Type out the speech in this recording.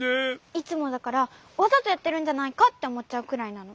いつもだからわざとやってるんじゃないかっておもっちゃうくらいなの。